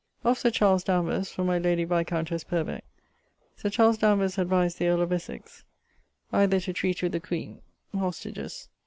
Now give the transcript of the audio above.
Of Sir Charles Danvers, from my lady viscountesse Purbec: Sir Charles Danvers advised the earle of Essex, either to treat with the queen hostages